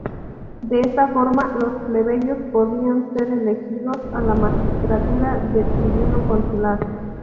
De esta forma, los plebeyos podían ser elegidos a la magistratura de Tribuno Consular.